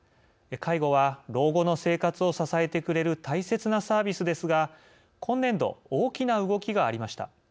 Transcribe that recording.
介護は老後の生活を支えてくれる大切なサービスですが今年度、大きな動きがありました。